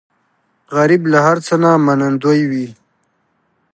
غریب له هر څه نه منندوی وي